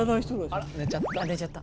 あ寝ちゃった。